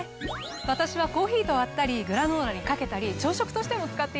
私はコーヒーと割ったりグラノーラにかけたり朝食としても使っています。